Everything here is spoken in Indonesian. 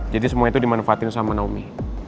jadi semua itu dimanfaatin sama naomi